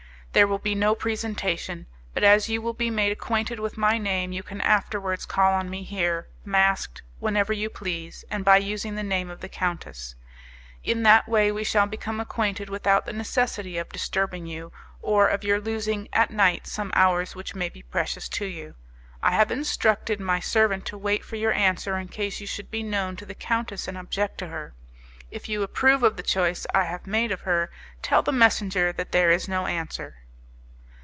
There will be no presentation; but as you will be made acquainted with my name, you can afterwards call on me here, masked, whenever you please, and by using the name of the countess. In that way we shall become acquainted without the necessity of disturbing you, or of your losing at night some hours which may be precious to you. I have instructed my servant to wait for your answer in case you should be known to the countess and object to her. If you approve of the choice I have made of her, tell the messenger that there is no answer."